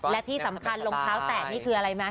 และที่สำคัญรองเท้าแตะนี่คืออะไรไหม